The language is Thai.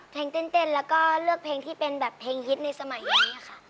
เต้นแล้วก็เลือกเพลงที่เป็นแบบเพลงฮิตในสมัยนี้ค่ะ